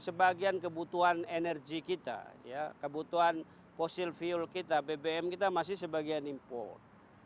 sebagian kebutuhan energi kita ya kebutuhan fosil fuel kita bbm kita masih sebagian import